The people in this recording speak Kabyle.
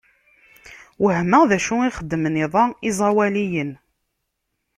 Wehmeɣ d acu xeddmen iḍ-a iẓawaliyen.